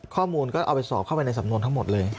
ข้อมูลก็เอาไปสอบเข้าไปในสำนวนทั้งหมดเลย